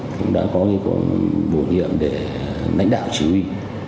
cũng đã có những bổ nhiệm để lãnh đạo chỉ huy